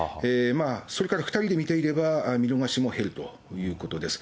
それから２人で見ていれば、見逃しも減るということです。